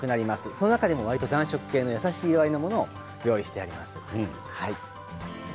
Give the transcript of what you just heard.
その中でもわりと暖色系の優しい色合いのものを用意してあります。